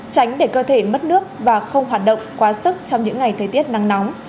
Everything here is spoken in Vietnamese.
tránh để cơ thể mất nước và không hoạt động quá sức trong những ngày thời tiết nắng nóng